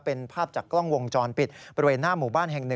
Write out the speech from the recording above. เป็นภาพจากกล้องวงจรปิดบริเวณหน้าหมู่บ้านแห่ง๑